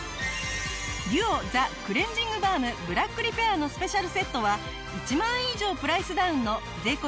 ＤＵＯザクレンジングバームブラックリペアのスペシャルセットは１万円以上プライスダウンの税込